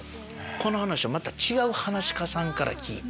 この話を違う噺家さんから聞いて。